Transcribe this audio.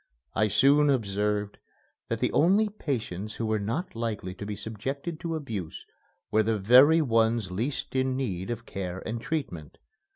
I soon observed that the only patients who were not likely to be subjected to abuse were the very ones least in need of care and treatment.